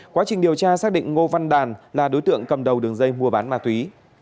quá trình điều tra xác định ngô văn đàn là đối tượng cầm đầu đường dây mua bán ma túy